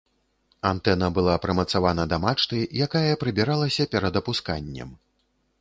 Антэна была прымацавана да мачты, якая прыбіралася перад апусканнем.